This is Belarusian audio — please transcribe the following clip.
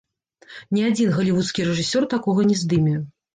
Ні адзін галівудскі рэжысёр такога не здыме.